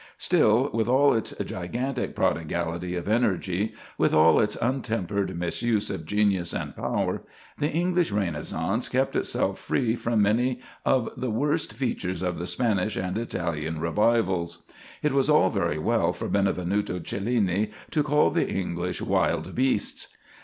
Still, with all its gigantic prodigality of energy, with all its untempered misuse of genius and power, the English Renaissance kept itself free from many of the worst features of the Spanish and Italian revivals. It was all very well for Benvenuto Cellini to call the English "wild beasts."